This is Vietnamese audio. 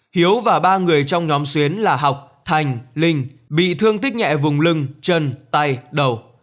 hiếu và ba người trong nhóm xuyến là học thành linh bị thương tích nhẹ vùng lưng chân tay đầu